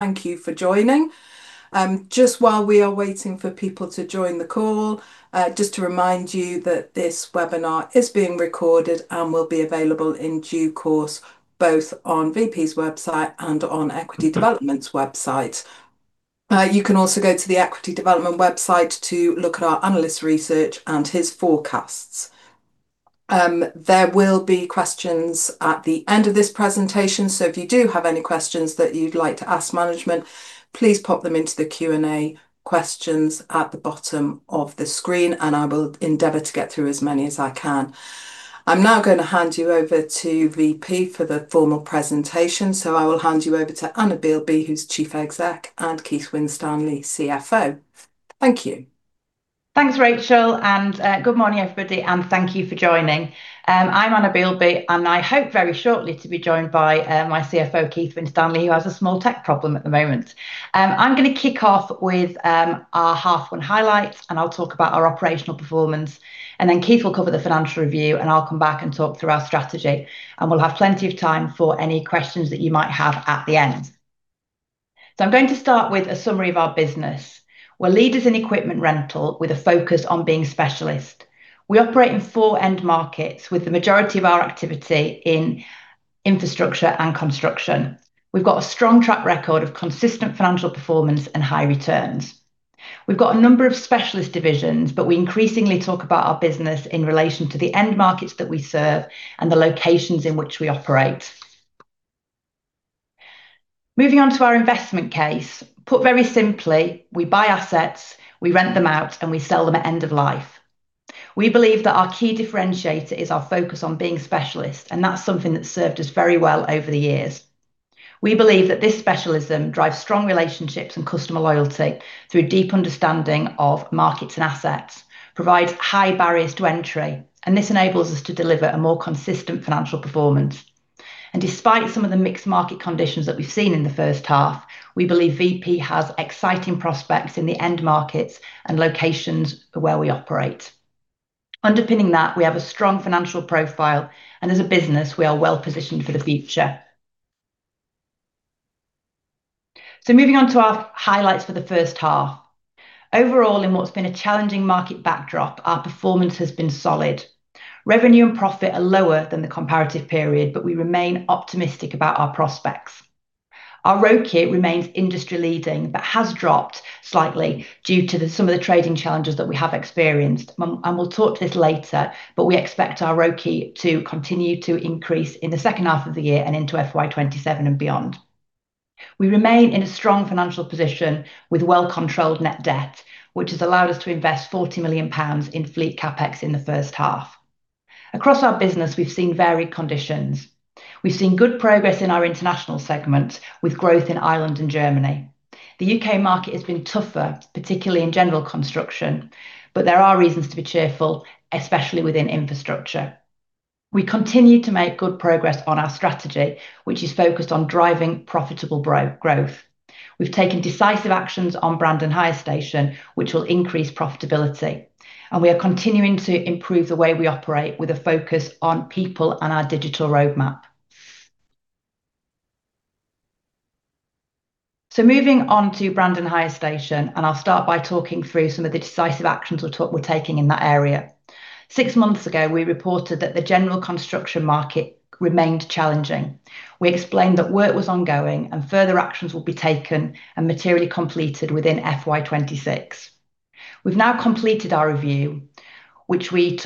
Thank you for joining. Just while we are waiting for people to join the call, just to remind you that this webinar is being recorded and will be available in due course, both on VP's website and on Equity Development's website. You can also go to the Equity Development website to look at our analyst research and his forecasts. There will be questions at the end of this presentation, so if you do have any questions that you'd like to ask management, please pop them into the Q&A questions at the bottom of the screen, and I will endeavour to get through as many as I can. I'm now going to hand you over to VP for the formal presentation, so I will hand you over to Anna Bielby, who's Chief Executive, and Keith Winstanley, CFO. Thank you. Thanks, Rachel, and good morning, everybody, and thank you for joining. I'm Anna Bielby, and I hope very shortly to be joined by my CFO, Keith Winstanley, who has a small tech problem at the moment. I'm going to kick off with our half and highlights, and I'll talk about our operational performance, then Keith will cover the financial review, and I'll come back and talk through our strategy, and we'll have plenty of time for any questions that you might have at the end. I'm going to start with a summary of our business. We're leaders in equipment rental with a focus on being specialist. We operate in four end markets with the majority of our activity in infrastructure and construction. We've got a strong track record of consistent financial performance and high returns. We've got a number of specialist divisions, but we increasingly talk about our business in relation to the end markets that we serve and the locations in which we operate. Moving on to our investment case, put very simply, we buy assets, we rent them out, and we sell them at end of life. We believe that our key differentiator is our focus on being specialist, and that's something that's served us very well over the years. We believe that this specialism drives strong relationships and customer loyalty through deep understanding of markets and assets, provides high barriers to entry, and this enables us to deliver a more consistent financial performance. Despite some of the mixed market conditions that we've seen in the first half, we believe VP has exciting prospects in the end markets and locations where we operate. Underpinning that, we have a strong financial profile, and as a business, we are well positioned for the future. Moving on to our highlights for the first half. Overall, in what has been a challenging market backdrop, our performance has been solid. Revenue and profit are lower than the comparative period, but we remain optimistic about our prospects. Our ROI remains industry leading but has dropped slightly due to some of the trading challenges that we have experienced, and we will talk to this later, but we expect our ROI to continue to increase in the second half of the year and into FY 2027 and beyond. We remain in a strong financial position with well-controlled net debt, which has allowed us to invest 40 million pounds in fleet capex in the first half. Across our business, we have seen varied conditions. We've seen good progress in our international segment with growth in Ireland and Germany. The U.K. market has been tougher, particularly in general construction, but there are reasons to be cheerful, especially within infrastructure. We continue to make good progress on our strategy, which is focused on driving profitable growth. We've taken decisive actions on Brandon Hire Station, which will increase profitability, and we are continuing to improve the way we operate with a focus on people and our digital roadmap. Moving on to Brandon Hire Station, I'll start by talking through some of the decisive actions we're taking in that area. Six months ago, we reported that the general construction market remained challenging. We explained that work was ongoing and further actions will be taken and materially completed within FY2026. We've now completed our review, which we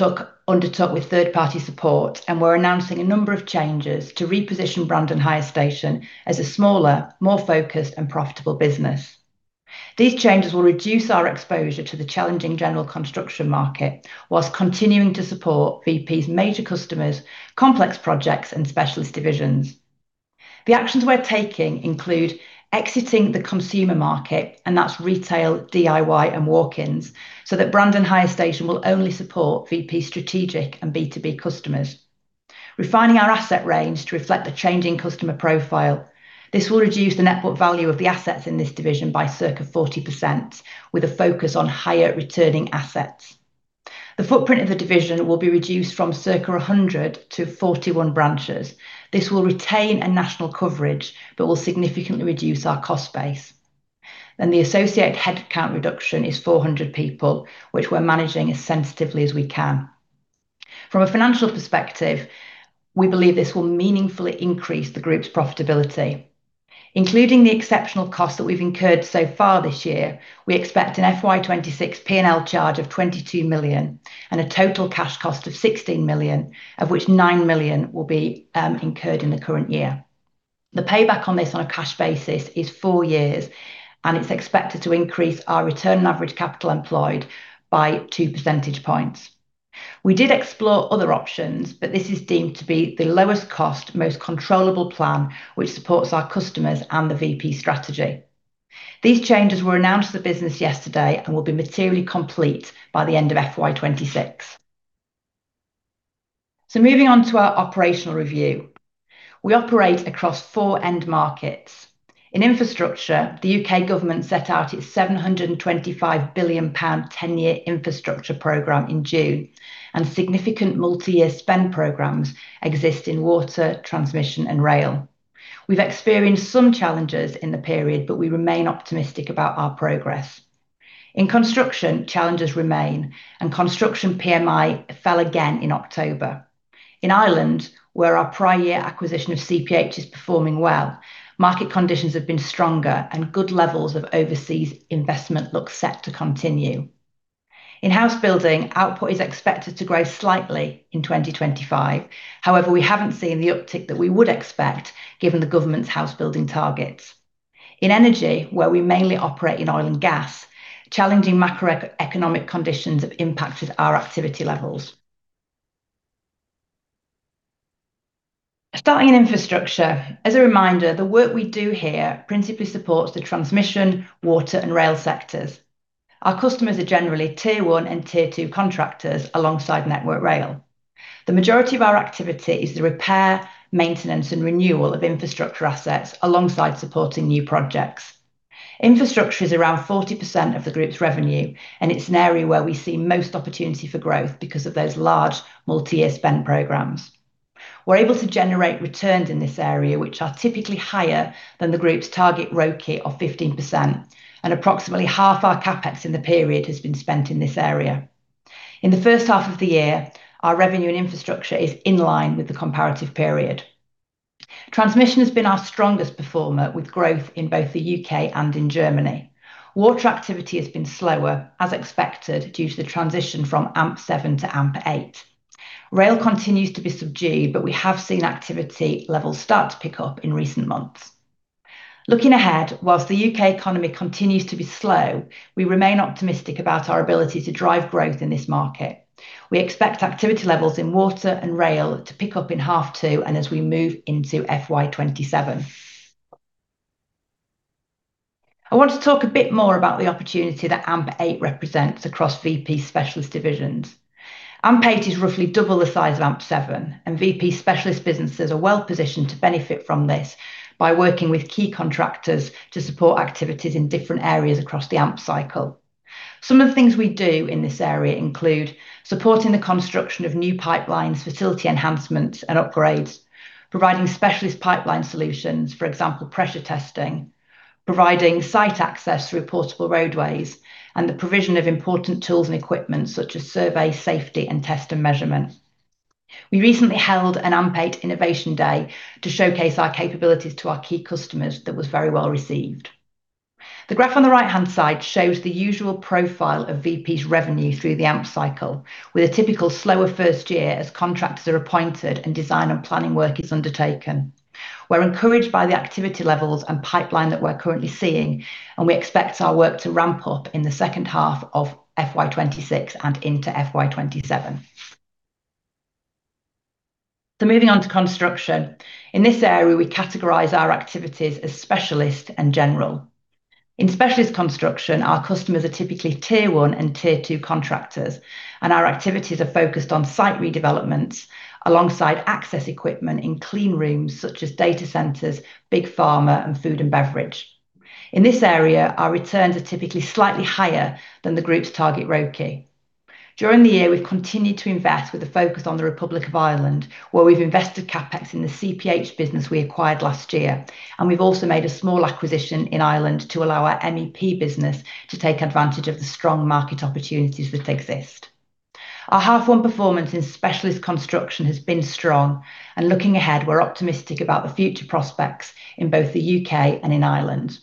undertook with third-party support, and we're announcing a number of changes to reposition Brandon Hire Station as a smaller, more focused and profitable business. These changes will reduce our exposure to the challenging general construction market whilst continuing to support VP's major customers, complex projects, and specialist divisions. The actions we're taking include exiting the consumer market, and that's retail, DIY, and walk-ins, so that Brandon Hire Station will only support VP's strategic and B2B customers. Refining our asset range to reflect the changing customer profile. This will reduce the net book value of the assets in this division by circa 40%, with a focus on higher returning assets. The footprint of the division will be reduced from circa 100 to 41 branches. This will retain a national coverage but will significantly reduce our cost base. The associate headcount reduction is 400 people, which we're managing as sensitively as we can. From a financial perspective, we believe this will meaningfully increase the group's profitability. Including the exceptional costs that we've incurred so far this year, we expect an FY2026 P&L charge of 22 million and a total cash cost of 16 million, of which 9 million will be incurred in the current year. The payback on this on a cash basis is four years, and it's expected to increase our return on average capital employed by two percentage points. We did explore other options, but this is deemed to be the lowest cost, most controllable plan, which supports our customers and the VP strategy. These changes were announced to the business yesterday and will be materially complete by the end of FY2026. Moving on to our operational review. We operate across four end markets. In infrastructure, the U.K. government set out its 725 billion pound ten-year infrastructure program in June, and significant multi-year spend programs exist in water, transmission, and rail. We've experienced some challenges in the period, but we remain optimistic about our progress. In construction, challenges remain, and construction PMI fell again in October. In Ireland, where our prior year acquisition of CPH is performing well, market conditions have been stronger, and good levels of overseas investment look set to continue. In house building, output is expected to grow slightly in 2025; however, we haven't seen the uptick that we would expect given the government's house building targets. In energy, where we mainly operate in oil and gas, challenging macroeconomic conditions have impacted our activity levels. Starting in infrastructure, as a reminder, the work we do here principally supports the transmission, water, and rail sectors. Our customers are generally tier one and tier two contractors alongside Network Rail. The majority of our activity is the repair, maintenance, and renewal of infrastructure assets alongside supporting new projects. Infrastructure is around 40% of the group's revenue, and it's an area where we see most opportunity for growth because of those large multi-year spend programs. We're able to generate returns in this area, which are typically higher than the group's target ROI of 15%, and approximately half our Capex in the period has been spent in this area. In the first half of the year, our revenue in infrastructure is in line with the comparative period. Transmission has been our strongest performer, with growth in both the U.K. and in Germany. Water activity has been slower, as expected, due to the transition from AMP 7 to AMP 8. Rail continues to be subdued, but we have seen activity levels start to pick up in recent months. Looking ahead, whilst the U.K. economy continues to be slow, we remain optimistic about our ability to drive growth in this market. We expect activity levels in water and rail to pick up in half two and as we move into FY 2027. I want to talk a bit more about the opportunity that AMP 8 represents across VP specialist divisions. AMP 8 is roughly double the size of AMP 7, and VP specialist businesses are well positioned to benefit from this by working with key contractors to support activities in different areas across the AMP cycle. Some of the things we do in this area include supporting the construction of new pipelines, facility enhancements, and upgrades, providing specialist pipeline solutions, for example, pressure testing, providing site access through portable roadways, and the provision of important tools and equipment such as survey, safety, and test and measurement. We recently held an AMP 8 Innovation Day to showcase our capabilities to our key customers that was very well received. The graph on the right-hand side shows the usual profile of VP's revenue through the AMP cycle, with a typical slower first year as contractors are appointed and design and planning work is undertaken. We're encouraged by the activity levels and pipeline that we're currently seeing, and we expect our work to ramp up in the second half of FY2026 and into FY2027. Moving on to construction. In this area, we categorize our activities as specialist and general. In specialist construction, our customers are typically tier one and tier two contractors, and our activities are focused on site redevelopments alongside access equipment in clean rooms such as data centers, Big Pharma, and food and beverage. In this area, our returns are typically slightly higher than the group's target ROI. During the year, we've continued to invest with a focus on the Republic of Ireland, where we've invested Capex in the CPH business we acquired last year, and we've also made a small acquisition in Ireland to allow our MEP business to take advantage of the strong market opportunities that exist. Our half one performance in specialist construction has been strong, and looking ahead, we're optimistic about the future prospects in both the U.K. and in Ireland.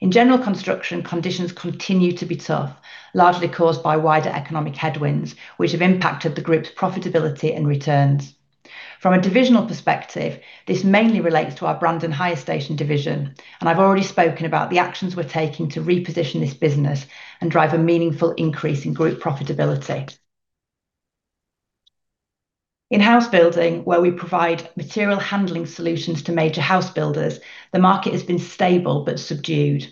In general construction, conditions continue to be tough, largely caused by wider economic headwinds, which have impacted the group's profitability and returns. From a divisional perspective, this mainly relates to our Brandon Hire Station division, and I've already spoken about the actions we're taking to reposition this business and drive a meaningful increase in group profitability. In house building, where we provide material handling solutions to major house builders, the market has been stable but subdued.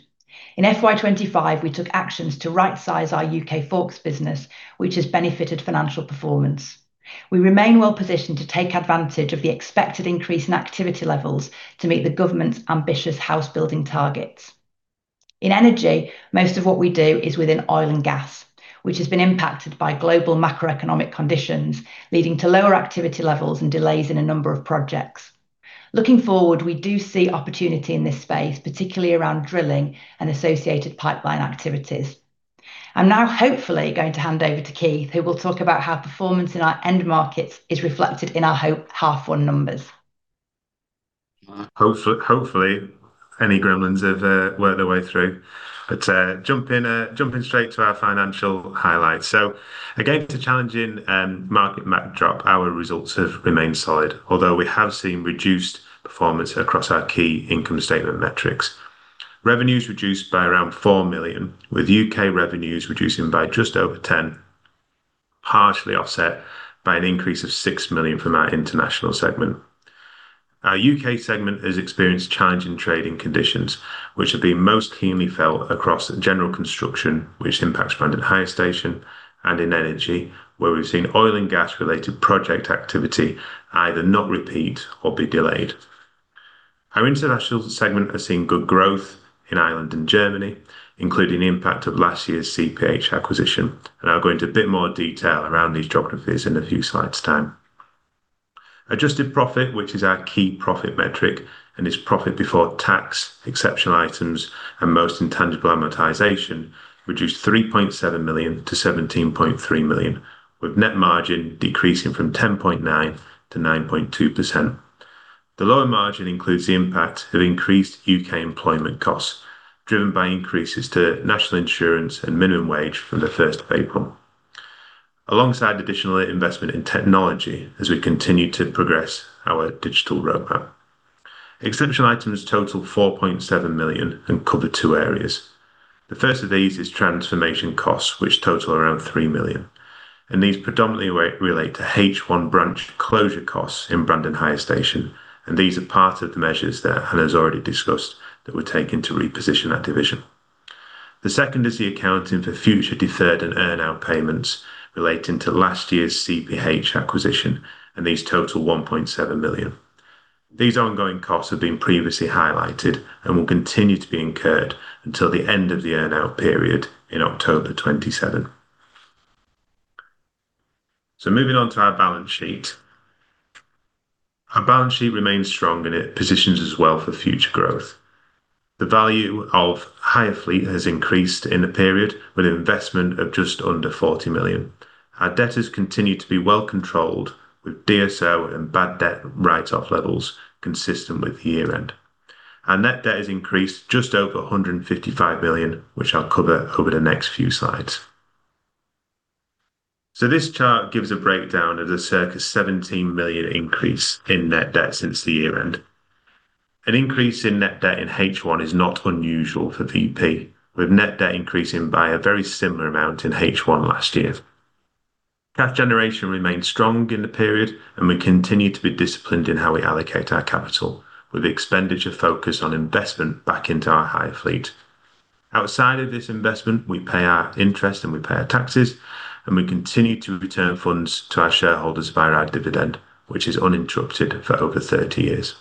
In FY2025, we took actions to right-size our UK Forks business, which has benefited financial performance. We remain well positioned to take advantage of the expected increase in activity levels to meet the government's ambitious house building targets. In energy, most of what we do is within oil and gas, which has been impacted by global macroeconomic conditions, leading to lower activity levels and delays in a number of projects. Looking forward, we do see opportunity in this space, particularly around drilling and associated pipeline activities. I'm now hopefully going to hand over to Keith, who will talk about how performance in our end markets is reflected in our half one numbers. Hopefully, any gremlins have worked their way through. Jumping straight to our financial highlights. Again, to challenging market backdrop, our results have remained solid, although we have seen reduced performance across our key income statement metrics. Revenues reduced by around 4 million, with U.K. revenues reducing by just over 10 million, partially offset by an increase of 6 million from our international segment. Our U.K. segment has experienced challenging trading conditions, which have been most keenly felt across general construction, which impacts Brandon Hire Station, and in energy, where we've seen oil and gas-related project activity either not repeat or be delayed. Our international segment has seen good growth in Ireland and Germany, including the impact of last year's CPH acquisition, and I'll go into a bit more detail around these geographies in a few slides' time. Adjusted profit, which is our key profit metric, and its profit before tax, exceptional items, and most intangible amortization reduced 3.7 million to 17.3 million, with net margin decreasing from 10.9% to 9.2%. The lower margin includes the impact of increased U.K. employment costs driven by increases to national insurance and minimum wage from the 1st of April, alongside additional investment in technology as we continue to progress our digital roadmap. Exceptional items total 4.7 million and cover two areas. The first of these is transformation costs, which total around 3 million, and these predominantly relate to H1 branch closure costs in Brandon Hire Station, and these are part of the measures that Anna has already discussed that were taken to reposition that division. The second is the accounting for future deferred and earn-out payments relating to last year's CPH acquisition, and these total 1.7 million. These ongoing costs have been previously highlighted and will continue to be incurred until the end of the earn-out period in October 2027. Moving on to our balance sheet. Our balance sheet remains strong, and it positions us well for future growth. The value of Hire Fleet has increased in the period with an investment of just under 40 million. Our debt has continued to be well controlled, with DSO and bad debt write-off levels consistent with year-end. Our net debt has increased just over 155 million, which I'll cover over the next few slides. This chart gives a breakdown of the circa 17 million increase in net debt since the year-end. An increase in net debt in H1 is not unusual for VP, with net debt increasing by a very similar amount in H1 last year. Cash generation remained strong in the period, and we continue to be disciplined in how we allocate our capital, with expenditure focused on investment back into our Hire Fleet. Outside of this investment, we pay our interest and we pay our taxes, and we continue to return funds to our shareholders via our dividend, which is uninterrupted for over 30 years.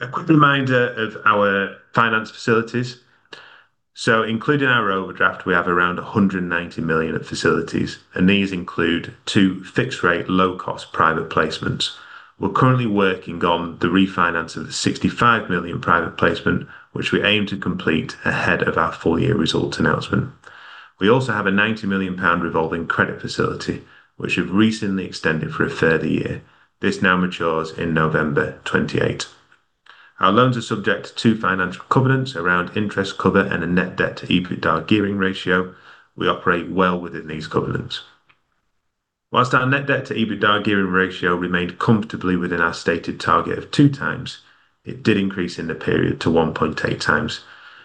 A quick reminder of our finance facilities. Including our overdraft, we have around 190 million of facilities, and these include two fixed-rate low-cost private placements. We're currently working on the refinance of the 65 million private placement, which we aim to complete ahead of our full year results announcement. We also have a 90 million pound revolving credit facility, which we've recently extended for a further year. This now matures in November 2028. Our loans are subject to two financial covenants around interest cover and a net debt to EBITDA gearing ratio. We operate well within these covenants. Whilst our net debt to EBITDA gearing ratio remained comfortably within our stated target of two times, it did increase in the period to 1.8 times,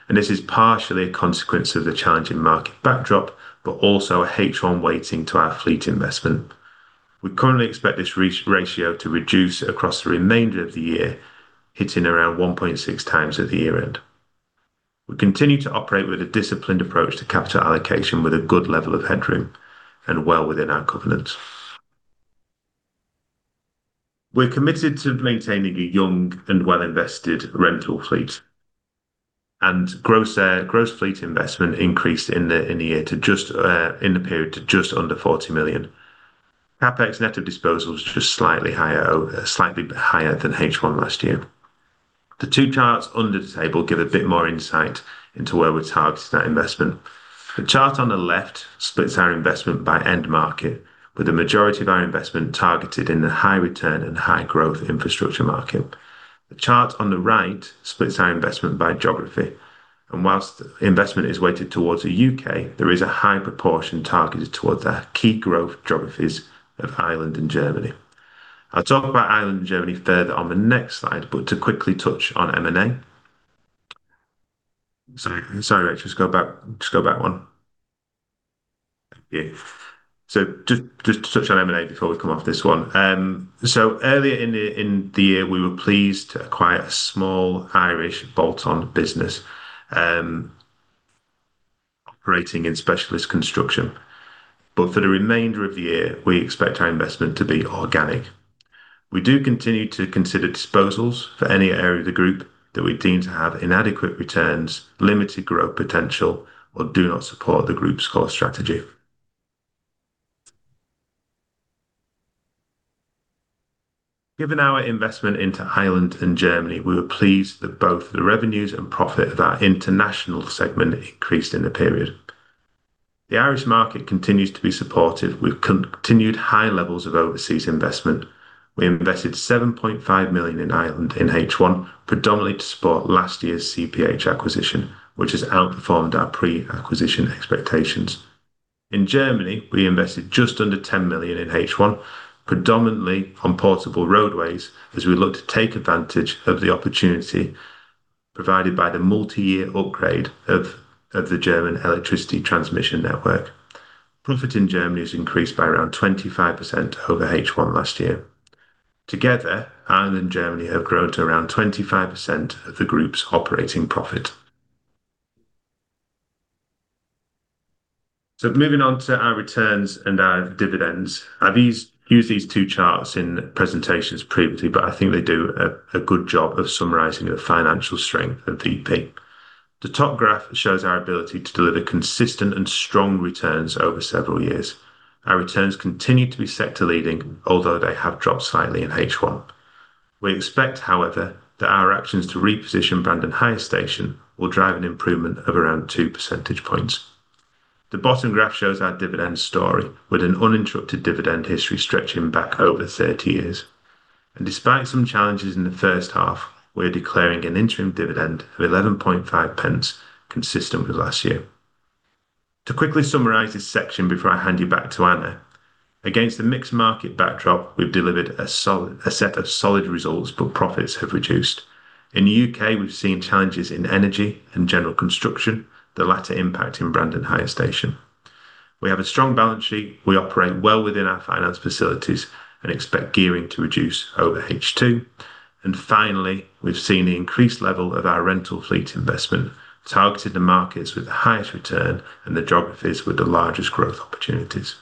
and this is partially a consequence of the challenging market backdrop, but also a H1 weighting to our fleet investment. We currently expect this ratio to reduce across the remainder of the year, hitting around 1.6 times at the year-end. We continue to operate with a disciplined approach to capital allocation, with a good level of headroom and well within our covenants. We're committed to maintaining a young and well-invested rental fleet, and gross fleet investment increased in the year to just in the period to just under 40 million. Capex net of disposal was just slightly higher, slightly higher than H1 last year. The two charts under the table give a bit more insight into where we're targeting that investment. The chart on the left splits our investment by end market, with the majority of our investment targeted in the high-return and high-growth infrastructure market. The chart on the right splits our investment by geography, and whilst investment is weighted towards the U.K., there is a high proportion targeted towards our key growth geographies of Ireland and Germany. I'll talk about Ireland and Germany further on the next slide, but to quickly touch on M&A. Sorry, Rachel, just go back, just go back one. Thank you. Just to touch on M&A before we come off this one. Earlier in the year, we were pleased to acquire a small Irish bolt-on business operating in specialist construction. For the remainder of the year, we expect our investment to be organic. We do continue to consider disposals for any area of the group that we deem to have inadequate returns, limited growth potential, or do not support the group's core strategy. Given our investment into Ireland and Germany, we were pleased that both the revenues and profit of our international segment increased in the period. The Irish market continues to be supportive with continued high levels of overseas investment. We invested 7.5 million in Ireland in H1, predominantly to support last year's CPH acquisition, which has outperformed our pre-acquisition expectations. In Germany, we invested just under 10 million in H1, predominantly on portable roadways, as we look to take advantage of the opportunity provided by the multi-year upgrade of the German electricity transmission network. Profit in Germany has increased by around 25% over H1 last year. Together, Ireland and Germany have grown to around 25% of the group's operating profit. Moving on to our returns and our dividends. I have used these two charts in presentations previously, but I think they do a good job of summarizing the financial strength of VP. The top graph shows our ability to deliver consistent and strong returns over several years. Our returns continue to be sector-leading, although they have dropped slightly in H1. We expect, however, that our actions to reposition Brandon Hire Station will drive an improvement of around two percentage points. The bottom graph shows our dividend story, with an uninterrupted dividend history stretching back over 30 years. Despite some challenges in the first half, we're declaring an interim dividend of 11.50, consistent with last year. To quickly summarize this section before I hand you back to Anna, against the mixed market backdrop, we've delivered a solid set of solid results, but profits have reduced. In the U.K., we've seen challenges in energy and general construction, the latter impacting Brandon Hire Station. We have a strong balance sheet. We operate well within our finance facilities and expect gearing to reduce over H2. Finally, we've seen the increased level of our rental fleet investment targeted in the markets with the highest return and the geographies with the largest growth opportunities.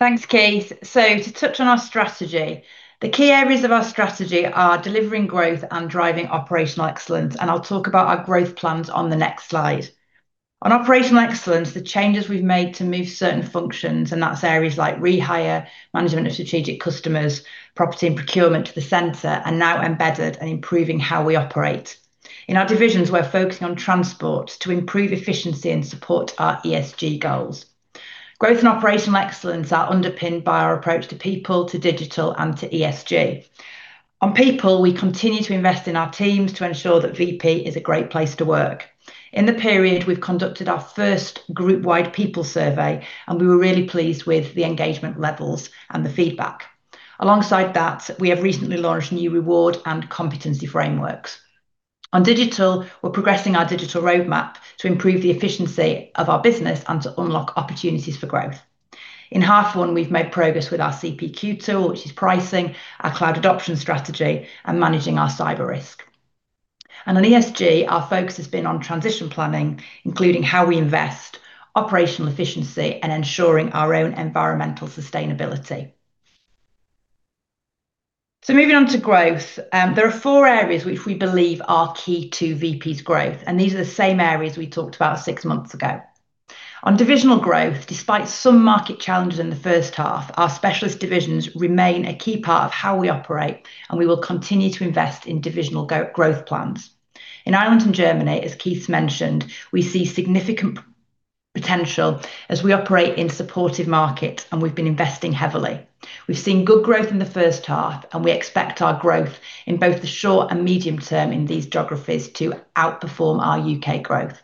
Thanks, Keith. To touch on our strategy, the key areas of our strategy are delivering growth and driving operational excellence, and I'll talk about our growth plans on the next slide. On operational excellence, the changes we've made to move certain functions, and that's areas like rehire, management of strategic customers, property and procurement to the center, are now embedded and improving how we operate. In our divisions, we're focusing on transport to improve efficiency and support our ESG goals. Growth and operational excellence are underpinned by our approach to people, to digital, and to ESG. On people, we continue to invest in our teams to ensure that VP is a great place to work. In the period, we've conducted our first group-wide people survey, and we were really pleased with the engagement levels and the feedback. Alongside that, we have recently launched new reward and competency frameworks. On digital, we're progressing our digital roadmap to improve the efficiency of our business and to unlock opportunities for growth. In half one, we've made progress with our CPQ tool, which is pricing, our cloud adoption strategy, and managing our cyber risk. On ESG, our focus has been on transition planning, including how we invest, operational efficiency, and ensuring our own environmental sustainability. Moving on to growth, there are four areas which we believe are key to VP's growth, and these are the same areas we talked about six months ago. On divisional growth, despite some market challenges in the first half, our specialist divisions remain a key part of how we operate, and we will continue to invest in divisional growth plans. In Ireland and Germany, as Keith mentioned, we see significant potential as we operate in supportive markets, and we've been investing heavily. We've seen good growth in the first half, and we expect our growth in both the short and medium term in these geographies to outperform our UK growth.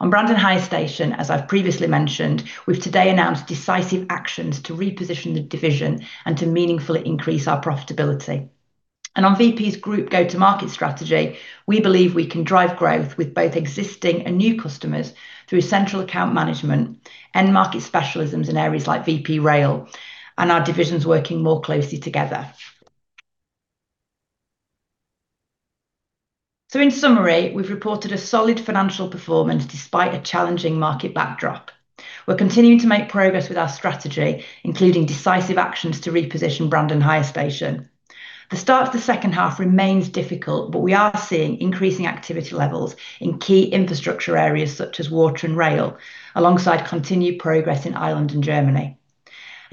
On Brandon Hire Station, as I've previously mentioned, we've today announced decisive actions to reposition the division and to meaningfully increase our profitability. On Vp's group go-to-market strategy, we believe we can drive growth with both existing and new customers through central account management, end market specialisms in areas like Vp Rail, and our divisions working more closely together. In summary, we've reported a solid financial performance despite a challenging market backdrop. We're continuing to make progress with our strategy, including decisive actions to reposition Brandon Hire Station. The start of the second half remains difficult, but we are seeing increasing activity levels in key infrastructure areas such as water and rail, alongside continued progress in Ireland and Germany.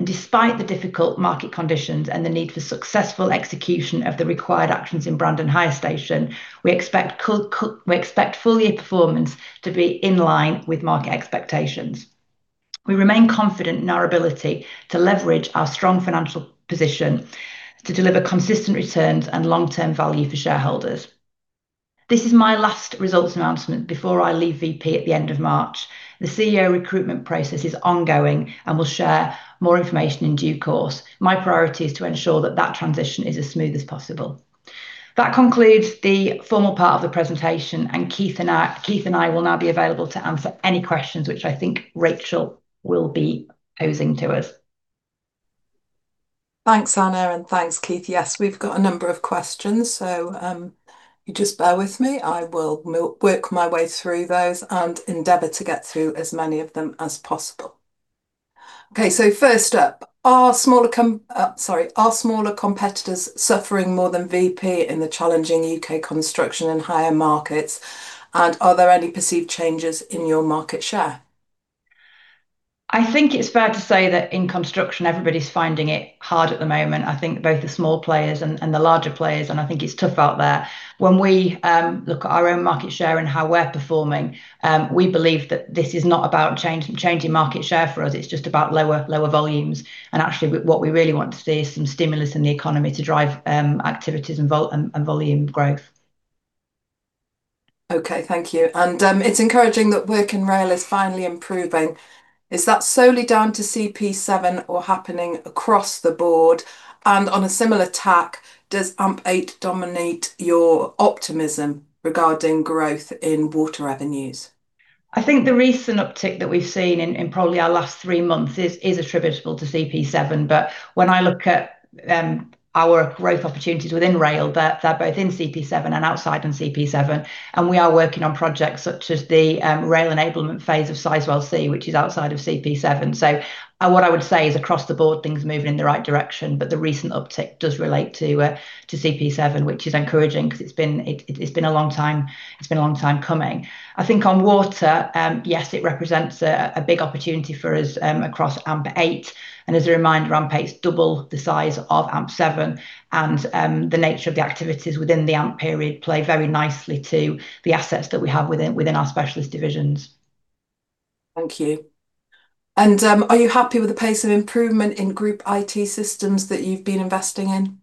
Despite the difficult market conditions and the need for successful execution of the required actions in Brandon Hire Station, we expect full year performance to be in line with market expectations. We remain confident in our ability to leverage our strong financial position to deliver consistent returns and long-term value for shareholders. This is my last results announcement before I leave VP at the end of March. The CEO recruitment process is ongoing and will share more information in due course. My priority is to ensure that that transition is as smooth as possible. That concludes the formal part of the presentation, and Keith and I will now be available to answer any questions, which I think Rachel will be posing to us. Thanks, Anna, and thanks, Keith. Yes, we've got a number of questions, so you just bear with me. I will work my way through those and endeavor to get through as many of them as possible. Okay, first up, are smaller competitors suffering more than VP in the challenging UK construction and hire markets, and are there any perceived changes in your market share? I think it's fair to say that in construction, everybody's finding it hard at the moment. I think both the small players and the larger players, and I think it's tough out there. When we look at our own market share and how we're performing, we believe that this is not about changing market share for us. It's just about lower volumes. Actually, what we really want to see is some stimulus in the economy to drive activities and volume growth. Okay, thank you. It's encouraging that work in rail is finally improving. Is that solely down to CP7 or happening across the board? On a similar tack, does AMP 8 dominate your optimism regarding growth in water revenues? I think the recent uptick that we've seen in probably our last three months is attributable to CP7. When I look at our growth opportunities within rail, they're both in CP7 and outside of CP7. We are working on projects such as the rail enablement phase of Sizewell C, which is outside of CP7. What I would say is across the board, things are moving in the right direction, but the recent uptick does relate to CP7, which is encouraging because it's been a long time, it's been a long time coming. I think on water, yes, it represents a big opportunity for us across AMP 8. As a reminder, AMP 8 is double the size of AMP 7, and the nature of the activities within the AMP period play very nicely to the assets that we have within our specialist divisions. Thank you. Are you happy with the pace of improvement in group IT systems that you've been investing in?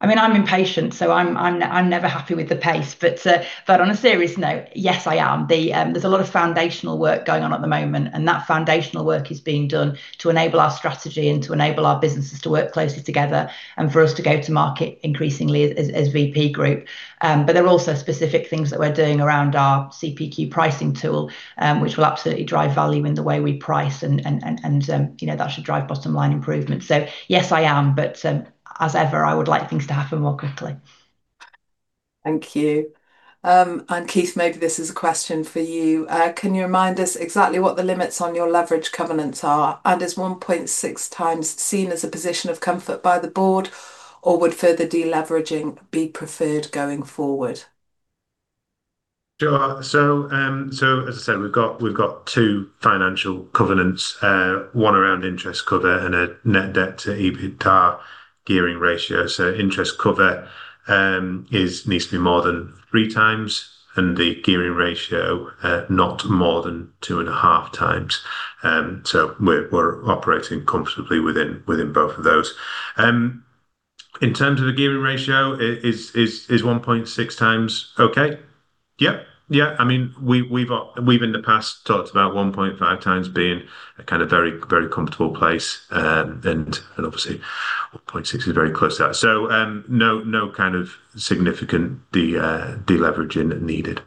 I mean, I'm impatient, so I'm never happy with the pace. On a serious note, yes, I am. There's a lot of foundational work going on at the moment, and that foundational work is being done to enable our strategy and to enable our businesses to work closely together and for us to go to market increasingly as VP group. There are also specific things that we're doing around our CPQ pricing tool, which will absolutely drive value in the way we price, and that should drive bottom-line improvement. Yes, I am, but as ever, I would like things to happen more quickly. Thank you. Keith, maybe this is a question for you. Can you remind us exactly what the limits on your leverage covenants are? Is 1.6 times seen as a position of comfort by the board, or would further deleveraging be preferred going forward? 'Sure. As I said, we have two financial covenants, one around interest cover and a net debt to EBITDA gearing ratio. Interest cover needs to be more than three times, and the gearing ratio not more than two and a half times. We are operating comfortably within both of those. In terms of the gearing ratio, is 1.6 times okay? Yep. I mean, we have in the past talked about 1.5 times being a kind of very, very comfortable place, and obviously, 1.6 is very close to that. No kind of significant deleveraging needed.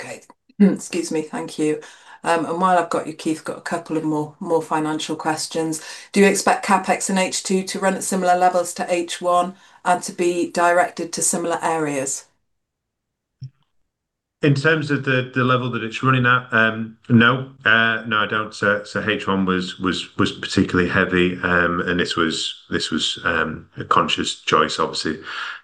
Okay. Excuse me. Thank you. While I've got you, Keith, got a couple of more financial questions. Do you expect CapEx in H2 to run at similar levels to H1 and to be directed to similar areas? In terms of the level that it's running at, no, no, I don't. H1 was particularly heavy, and this was a conscious choice, obviously.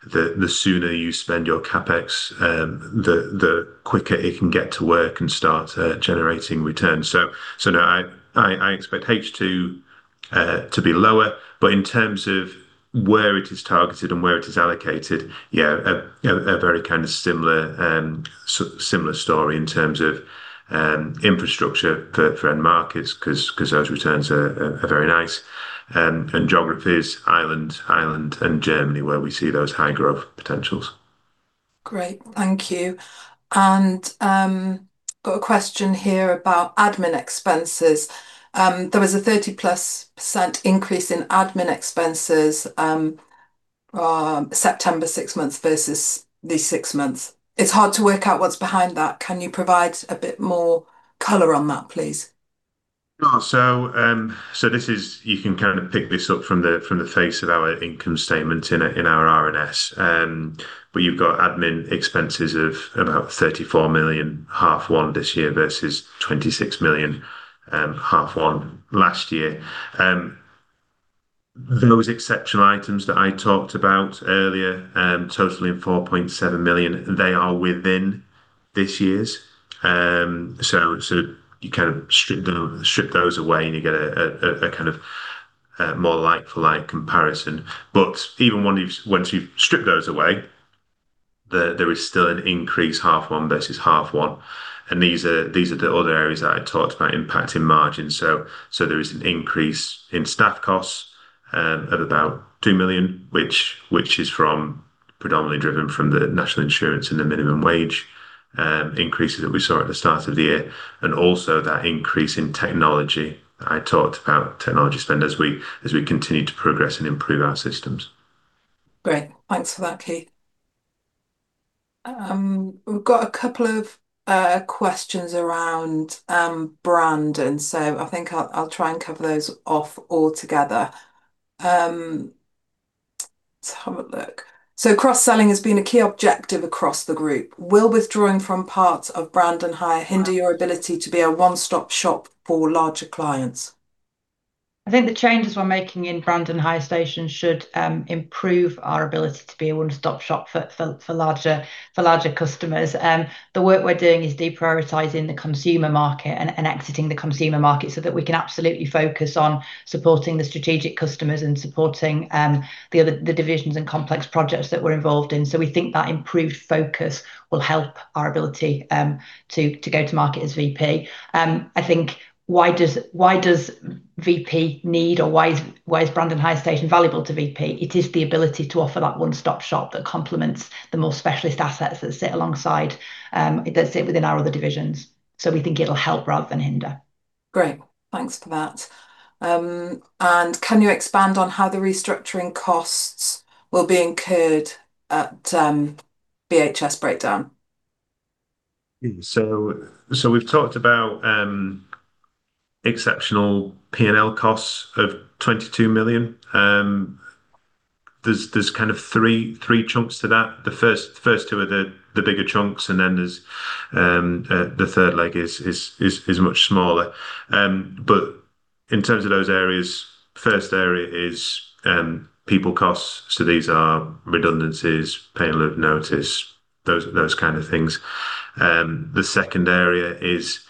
The sooner you spend your CapEx, the quicker it can get to work and start generating returns. No, I expect H2 to be lower. In terms of where it is targeted and where it is allocated, yeah, a very kind of similar story in terms of infrastructure for end markets because those returns are very nice. And geographies, Ireland and Germany, where we see those high growth potentials. Great. Thank you. I've got a question here about admin expenses. There was a 30+% increase in admin expenses September six months versus these six months. It's hard to work out what's behind that. Can you provide a bit more color on that, please? Sure. You can kind of pick this up from the face of our income statement in our R&S. You've got admin expenses of about 34 million, half one this year versus 26 million, half one last year. Those exceptional items that I talked about earlier, totaling 4.7 million, they are within this year's. You kind of strip those away and you get a kind of more like-for-like comparison. Even once you've stripped those away, there is still an increase, half one versus half one. These are the other areas that I talked about impacting margins. There is an increase in staff costs of about 2 million, which is predominantly driven from the national insurance and the minimum wage increases that we saw at the start of the year. Also, that increase in technology that I talked about, technology spend, as we continue to progress and improve our systems. Great. Thanks for that, Keith. We've got a couple of questions around brand. I think I'll try and cover those off all together. Let's have a look. Cross-selling has been a key objective across the group. Will withdrawing from parts of Brandon Hire hinder your ability to be a one-stop shop for larger clients? I think the changes we're making in Brandon Hire Station should improve our ability to be a one-stop shop for larger customers. The work we're doing is deprioritizing the consumer market and exiting the consumer market so that we can absolutely focus on supporting the strategic customers and supporting the divisions and complex projects that we're involved in. We think that improved focus will help our ability to go to market as VP. I think why does VP need or why is Brandon Hire Station valuable to VP? It is the ability to offer that one-stop shop that complements the more specialist assets that sit alongside, that sit within our other divisions. We think it'll help rather than hinder. Great. Thanks for that. Can you expand on how the restructuring costs will be incurred at BHS breakdown? We've talked about exceptional P&L costs of 22 million. There's kind of three chunks to that. The first two are the bigger chunks, and then the third leg is much smaller. In terms of those areas, first area is people costs. These are redundancies, paying load notice, those kind of things. The second area is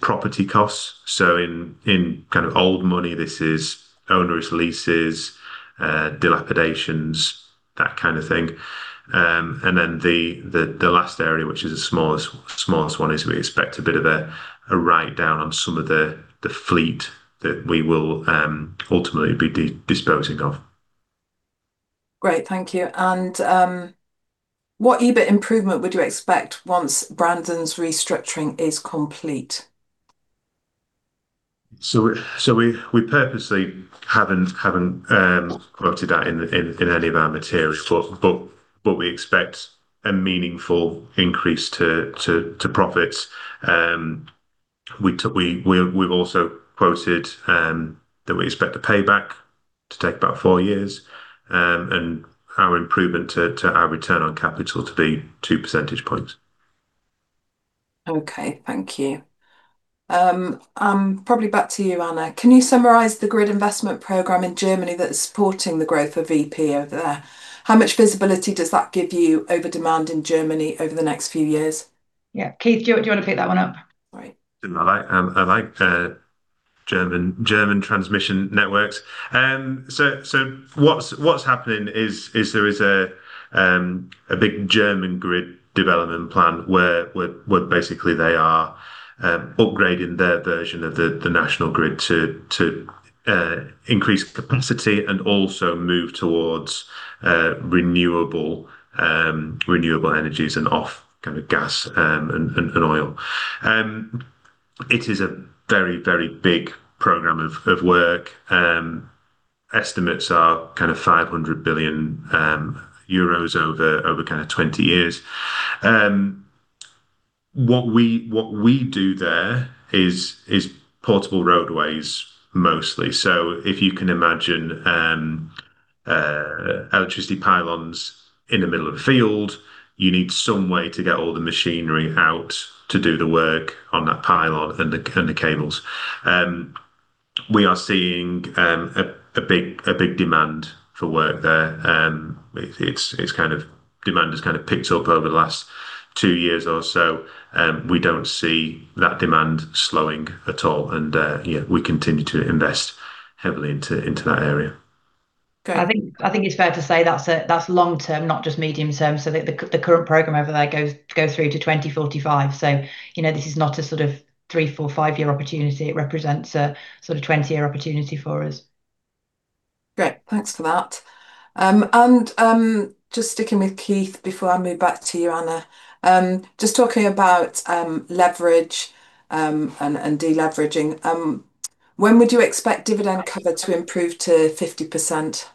property costs. In kind of old money, this is owner's leases, dilapidations, that kind of thing. The last area, which is the smallest one, is we expect a bit of a write-down on some of the fleet that we will ultimately be disposing of. Great. Thank you. What EBIT improvement would you expect once Brandon's restructuring is complete? We purposely haven't quoted that in any of our materials, but we expect a meaningful increase to profits. We've also quoted that we expect the payback to take about four years and our improvement to our return on capital to be two percentage points. Okay. Thank you. Probably back to you, Anna. Can you summarise the grid investment programme in Germany that's supporting the growth of VP over there? How much visibility does that give you over demand in Germany over the next few years? Yeah. Keith, do you want to pick that one up? Sorry. I like German transmission networks. What is happening is there is a big German grid development plan where basically they are upgrading their version of the national grid to increase capacity and also move towards renewable energies and off kind of gas and oil. It is a very, very big programme of work. Estimates are kind of 500 billion euros over kind of 20 years. What we do there is portable roadways mostly. If you can imagine electricity pylons in the middle of a field, you need some way to get all the machinery out to do the work on that pylon and the cables. We are seeing a big demand for work there. Demand has kind of picked up over the last two years or so. We do not see that demand slowing at all. We continue to invest heavily into that area. I think it is fair to say that is long term, not just medium term. The current programme over there goes through to 2045. This is not a sort of three, four, five-year opportunity. It represents a sort of 20-year opportunity for us. Great. Thanks for that. Just sticking with Keith before I move back to you, Anna, just talking about leverage and deleveraging, when would you expect dividend cover to improve to 50%?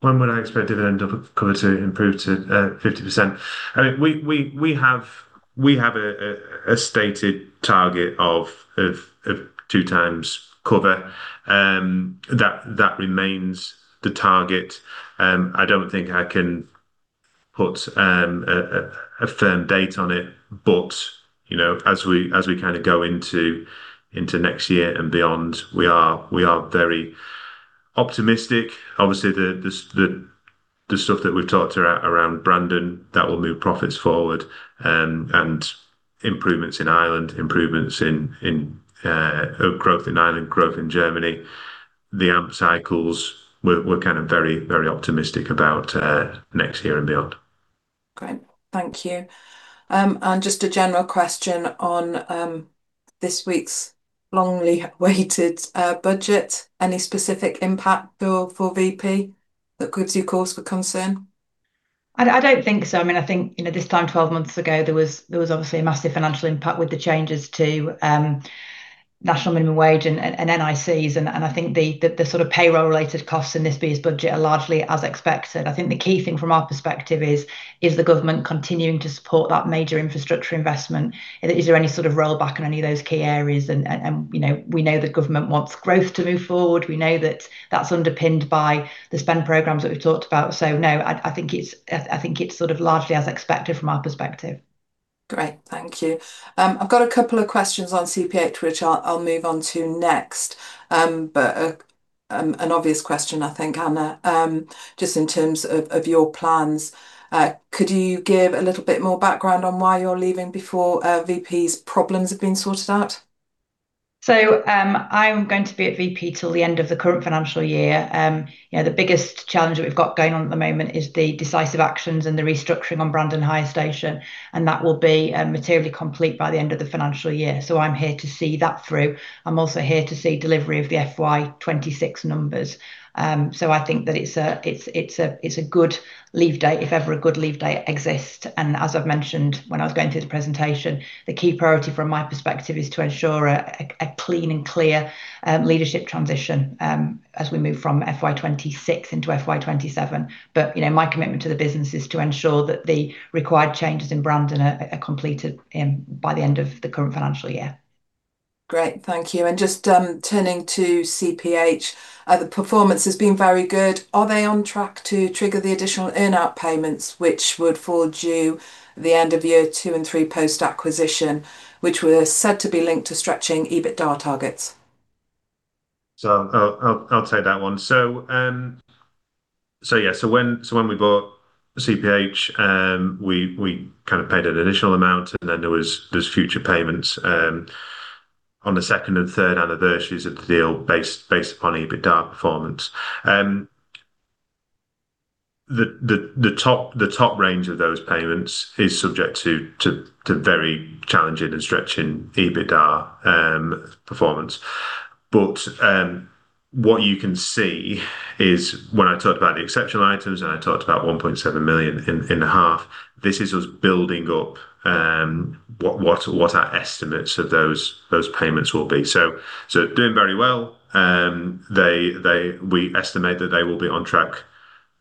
When would I expect dividend cover to improve to 50%? I mean, we have a stated target of two times cover. That remains the target. I do not think I can put a firm date on it. As we kind of go into next year and beyond, we are very optimistic. Obviously, the stuff that we've talked about around Brandon, that will move profits forward and improvements in Ireland, improvements in growth in Ireland, growth in Germany. The AMP cycles, we're kind of very, very optimistic about next year and beyond. Great. Thank you. Just a general question on this week's long-awaited budget. Any specific impact for VP that gives you cause for concern? I don't think so. I mean, I think this time, 12 months ago, there was obviously a massive financial impact with the changes to national minimum wage and NICs. I think the sort of payroll-related costs in this BS budget are largely as expected. I think the key thing from our perspective is the government continuing to support that major infrastructure investment. Is there any sort of rollback in any of those key areas? We know the government wants growth to move forward. We know that is underpinned by the spend programmes that we have talked about. No, I think it is largely as expected from our perspective. Great. Thank you. I have got a couple of questions on CPH, which I will move on to next. An obvious question, I think, Anna, just in terms of your plans. Could you give a little bit more background on why you are leaving before VP's problems have been sorted out? I am going to be at VP till the end of the current financial year. The biggest challenge that we have got going on at the moment is the decisive actions and the restructuring on Brandon Hire Station. That will be materially complete by the end of the financial year. I'm here to see that through. I'm also here to see delivery of the FY26 numbers. I think that it's a good leave date, if ever a good leave date exists. As I've mentioned when I was going through the presentation, the key priority from my perspective is to ensure a clean and clear leadership transition as we move from FY26 into FY27. My commitment to the business is to ensure that the required changes in Brandon are completed by the end of the current financial year. Great. Thank you. Just turning to CPH, the performance has been very good. Are they on track to trigger the additional earnout payments, which would forge you the end of year two and three post-acquisition, which were said to be linked to stretching EBITDA targets? I'll take that one. Yeah, when we bought CPH, we kind of paid an additional amount, and then there's future payments on the second and third anniversaries of the deal based upon EBITDA performance. The top range of those payments is subject to very challenging and stretching EBITDA performance. What you can see is when I talked about the exceptional items and I talked about 1.7 million in the half, this is us building up what our estimates of those payments will be. Doing very well. We estimate that they will be on track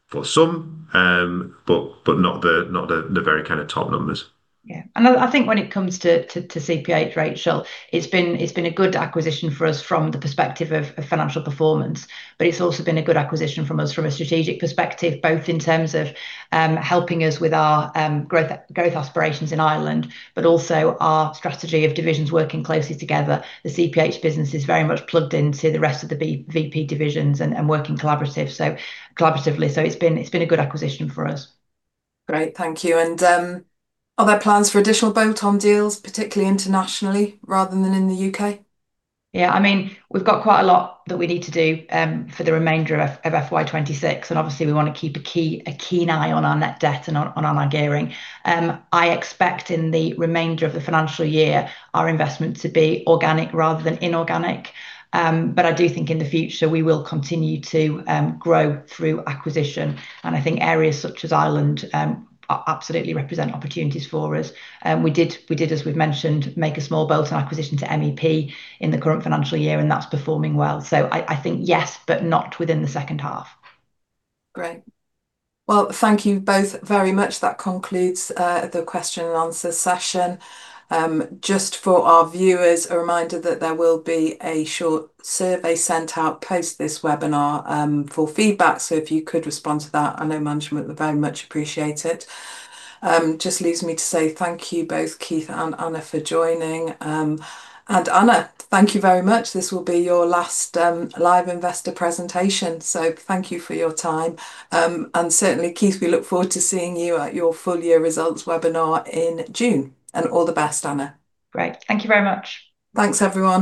for some, but not the very kind of top numbers. Yeah. I think when it comes to CPH, Rachel, it's been a good acquisition for us from the perspective of financial performance. It has also been a good acquisition for us from a strategic perspective, both in terms of helping us with our growth aspirations in Ireland, but also our strategy of divisions working closely together. The CPH business is very much plugged into the rest of the VP divisions and working collaboratively. It has been a good acquisition for us. Great. Thank you. Are there plans for additional BOTOM deals, particularly internationally rather than in the U.K.? Yeah. I mean, we have quite a lot that we need to do for the remainder of FY2026. Obviously, we want to keep a keen eye on our net debt and on our gearing. I expect in the remainder of the financial year, our investment to be organic rather than inorganic. I do think in the future, we will continue to grow through acquisition. I think areas such as Ireland absolutely represent opportunities for us. We did, as we've mentioned, make a small CPH acquisition to MEP in the current financial year, and that's performing well. I think yes, but not within the second half. Great. Thank you both very much. That concludes the question and answer session. Just for our viewers, a reminder that there will be a short survey sent out post this webinar for feedback. If you could respond to that, I know management would very much appreciate it. It just leaves me to say thank you both, Keith and Anna, for joining. Anna, thank you very much. This will be your last live investor presentation. Thank you for your time. Certainly, Keith, we look forward to seeing you at your full year results webinar in June. All the best, Anna. Great. Thank you very much. Thanks, everyone.